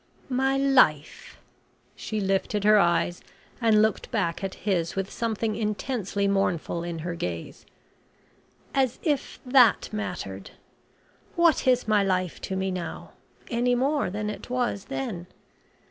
"My life!" She lifted her eyes and looked back at his with something intensely mournful in her gaze. "As if that mattered! What is my life to me now, any more than it was then?